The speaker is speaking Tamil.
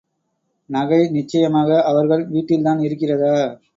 நகை நிச்சயமாக அவர்கள் வீட்டில் தான் இருக்கிறதா?